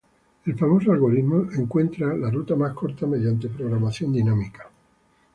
El famoso algoritmo encuentra la ruta más corta mediante programación dinámica